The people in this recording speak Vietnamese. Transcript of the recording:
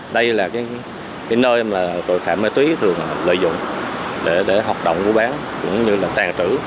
đây là nơi mà tội phạm ma túy thường lợi dụng để học động của bán